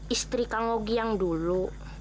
istri kak ngoge yang dulu